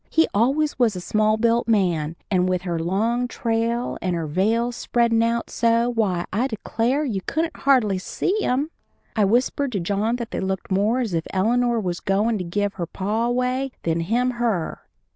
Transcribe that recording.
He always was a small built man, and with her long trail and her veil spreadin' out so, why, I declare, you couldn't hardly see him. I whispered to John that they looked more as if Eleanor was goin' to give her pa away than him her.